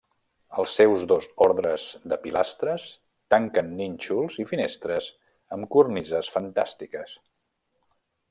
Els seus dos ordres de pilastres tanquen nínxols i finestres amb cornises fantàstiques.